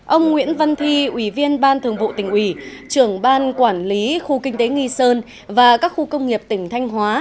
ông nguyễn văn thi ủy viên ban thường vụ tỉnh ủy trưởng ban quản lý khu kinh tế nghi sơn và các khu công nghiệp tỉnh thanh hóa